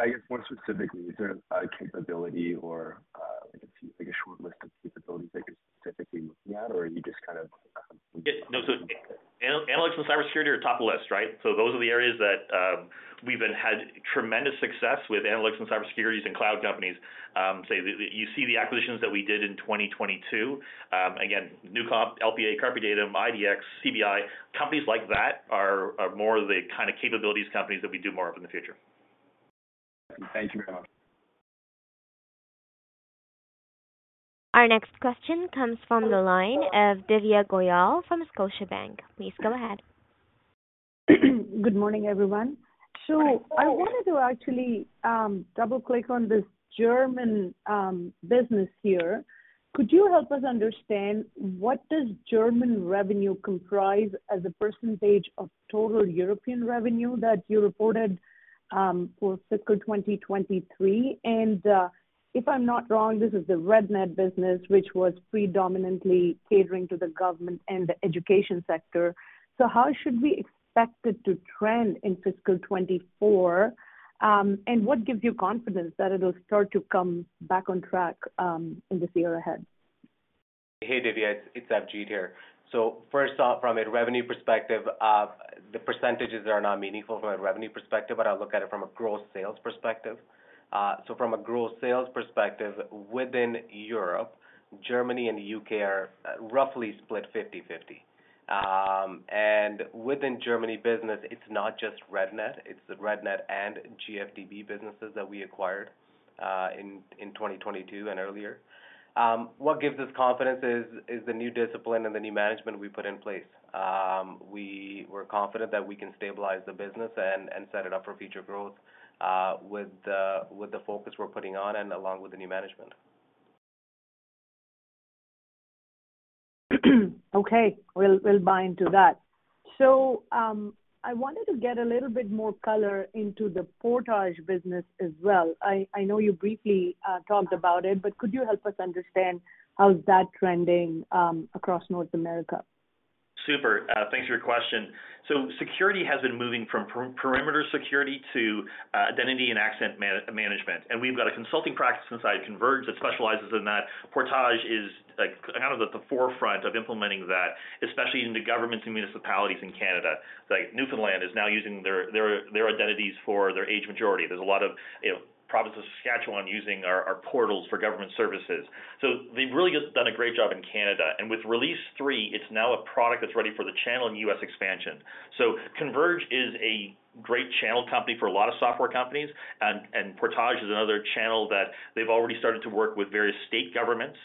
I guess more specifically, is there a capability or a short list of capabilities that you're specifically looking at, or are you just kind of? Yeah. No. So analytics and cybersecurity are top of the list, right? So those are the areas that we've had tremendous success with analytics and cybersecurity and cloud companies. Say you see the acquisitions that we did in 2022. Again, Newcomp, LPA, CarpeDatum, IDX, CBI, companies like that are more of the kind of capabilities companies that we do more of in the future. Thank you very much. Our next question comes from the line of Divya Goyal from Scotiabank. Please go ahead. Good morning, everyone. So I wanted to actually double-click on this German business here. Could you help us understand what does German revenue comprise as a percentage of total European revenue that you reported for fiscal 2023? And if I'm not wrong, this is the REDNET business, which was predominantly catering to the government and the education sector. So how should we expect it to trend in fiscal 2024? And what gives you confidence that it'll start to come back on track in this year ahead? Hey, Divya. It's Avjit here. So first off, from a revenue perspective, the percentages are not meaningful from a revenue perspective, but I'll look at it from a gross sales perspective. So from a gross sales perspective, within Europe, Germany and the U.K. are roughly split 50/50. Within Germany business, it's not just REDNET. It's the REDNET and GfdB businesses that we acquired in 2022 and earlier. What gives us confidence is the new discipline and the new management we put in place. We're confident that we can stabilize the business and set it up for future growth with the focus we're putting on and along with the new management. Okay. We'll buy into that. So I wanted to get a little bit more color into the Portage business as well. I know you briefly talked about it, but could you help us understand how's that trending across North America? Super. Thanks for your question. So security has been moving from perimeter security to identity and access management. And we've got a consulting practice inside Converge that specializes in that. Portage is kind of at the forefront of implementing that, especially in the governments and municipalities in Canada. Newfoundland is now using their identities for their age majority. There's a lot of province of Saskatchewan using our portals for government services. So they've really done a great job in Canada. And with release three, it's now a product that's ready for the channel and US expansion. So Converge is a great channel company for a lot of software companies. And Portage is another channel that they've already started to work with various state governments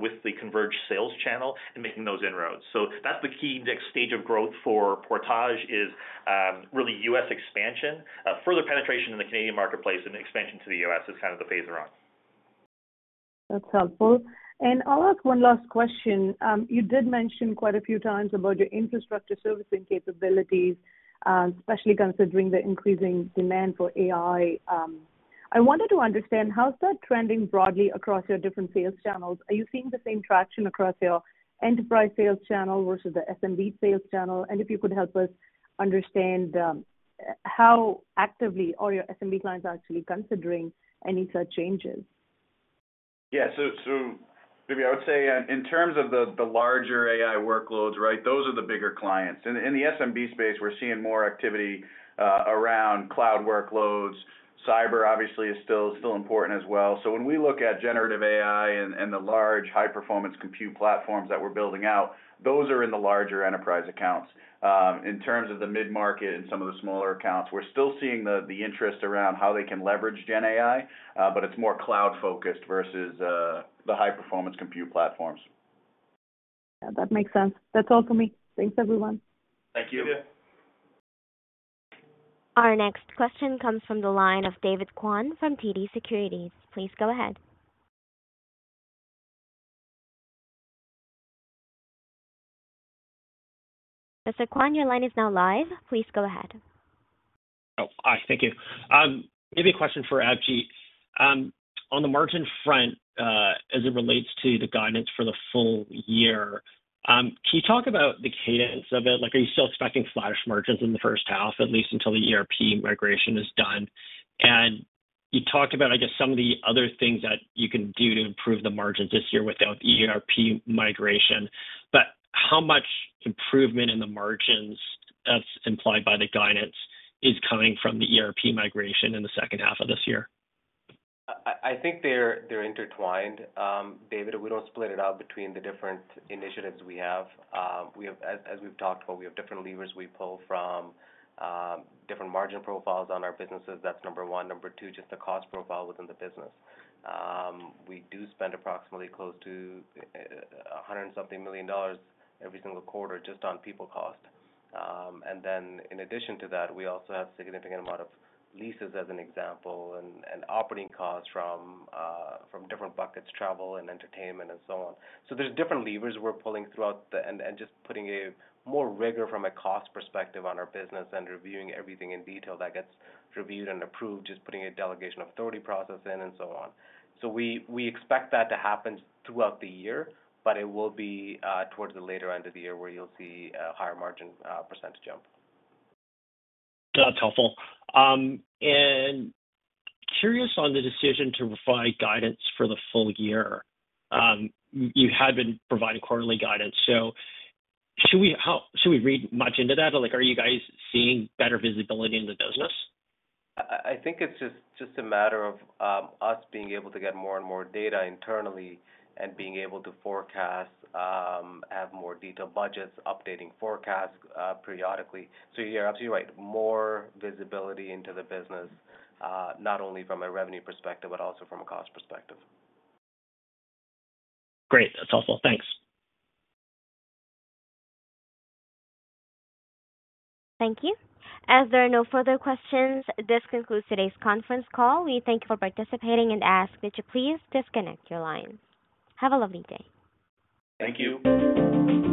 with the Converge sales channel and making those inroads. That's the key next stage of growth for Portage: really U.S. expansion, further penetration in the Canadian marketplace, and expansion to the U.S. is kind of the phase they're on. That's helpful. And I'll ask one last question. You did mention quite a few times about your infrastructure servicing capabilities, especially considering the increasing demand for AI. I wanted to understand, how's that trending broadly across your different sales channels? Are you seeing the same traction across your enterprise sales channel versus the SMB sales channel? And if you could help us understand how actively all your SMB clients are actually considering any such changes? Yeah. So maybe I would say in terms of the larger AI workloads, right, those are the bigger clients. In the SMB space, we're seeing more activity around cloud workloads. Cyber, obviously, is still important as well. So when we look at generative AI and the large high-performance compute platforms that we're building out, those are in the larger enterprise accounts. In terms of the mid-market and some of the smaller accounts, we're still seeing the interest around how they can leverage GenAI, but it's more cloud-focused versus the high-performance compute platforms. Yeah. That makes sense. That's all for me. Thanks, everyone. Thank you. Our next question comes from the line of David Kwan from TD Securities. Please go ahead. Mr. Kwan, your line is now live. Please go ahead. Hi. Thank you. Maybe a question for Avjit. On the margin front, as it relates to the guidance for the full year, can you talk about the cadence of it? Are you still expecting flat-ish margins in the first half, at least until the ERP migration is done? And you talked about, I guess, some of the other things that you can do to improve the margins this year without the ERP migration. But how much improvement in the margins that's implied by the guidance is coming from the ERP migration in the second half of this year? I think they're intertwined, David. We don't split it out between the different initiatives we have. As we've talked about, we have different levers we pull from different margin profiles on our businesses. That's number one. Number two, just the cost profile within the business. We do spend approximately close to 100+ million dollars every single quarter just on people cost. And then in addition to that, we also have a significant amount of leases, as an example, and operating costs from different buckets, travel and entertainment, and so on. So there's different levers we're pulling throughout and just putting more rigor from a cost perspective on our business and reviewing everything in detail that gets reviewed and approved, just putting a delegation authority process in and so on. We expect that to happen throughout the year, but it will be towards the later end of the year where you'll see a higher margin percentage jump. That's helpful. And curious on the decision to provide guidance for the full year. You had been providing quarterly guidance. Should we read much into that? Are you guys seeing better visibility in the business? I think it's just a matter of us being able to get more and more data internally and being able to forecast, have more detailed budgets, updating forecasts periodically. So yeah, absolutely right. More visibility into the business, not only from a revenue perspective, but also from a cost perspective. Great. That's helpful. Thanks. Thank you. As there are no further questions, this concludes today's conference call. We thank you for participating and ask that you please disconnect your line. Have a lovely day. Thank you.